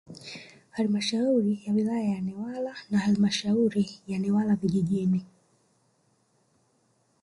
Halmashauri ya wilaya ya Newala na Halmashauri ya Newala vijijini